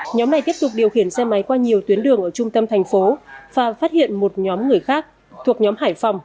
nhóm này tiếp tục điều khiển xe máy qua nhiều tuyến đường ở trung tâm thành phố và phát hiện một nhóm người khác thuộc nhóm hải phòng